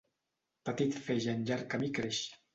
Petit feix en llarg camí creix.